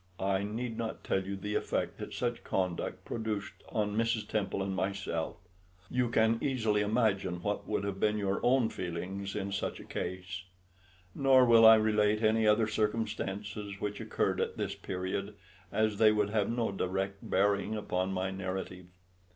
I need not tell you the effect that such conduct produced on Mrs. Temple and myself; you can easily imagine what would have been your own feelings in such a case. Nor will I relate any other circumstances which occurred at this period, as they would have no direct bearing upon my narrative.